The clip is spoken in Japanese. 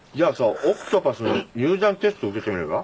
オクトパスの入団テスト受けてみれば？